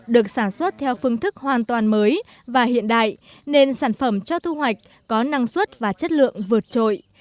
được sản xuất theo phương thức hoàn toàn mới và hiện đại nên sản phẩm cho thu hoạch có năng suất và chất lượng vượt trội